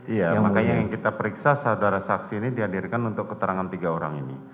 iya makanya yang kita periksa saudara saksi ini dihadirkan untuk keterangan tiga orang ini